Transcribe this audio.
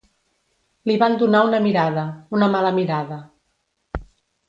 Li van donar una mirada, una mala mirada.